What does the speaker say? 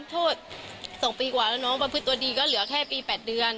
โทษ๒ปีกว่าแล้วน้องประพฤติตัวดีก็เหลือแค่ปี๘เดือน